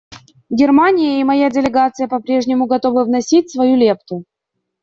Германия и моя делегация по-прежнему готовы вносить свою лепту.